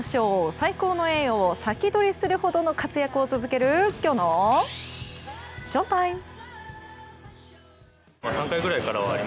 最高の栄誉を先取りするほどの活躍を続けるきょうのＳＨＯＴＩＭＥ。